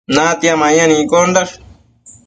natia mayan iccondash